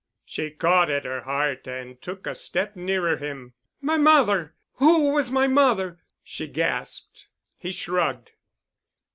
She caught at her heart and took a step nearer him. "My mother—who was my mother?" she gasped. He shrugged.